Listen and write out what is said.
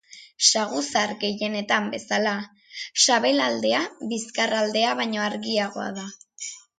Saguzar gehienetan bezala, sabelaldea bizkarraldea baino argiagoa da.